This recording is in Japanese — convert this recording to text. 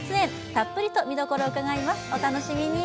たっぷりと見どころを伺います、お楽しみに。